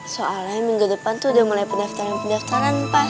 soalnya minggu depan tuh udah mulai pendaftaran pendaftaran pak